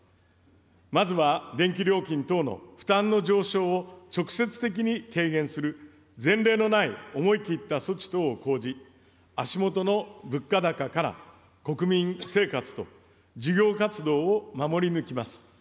まずは、電気料金等の負担の上昇を直接的に軽減する前例のない思い切った措置等を講じ、足下の物価高から国民生活と事業活動を守り抜きます。